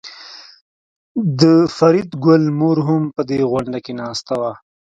د فریدګل مور هم په دې غونډه کې ناسته وه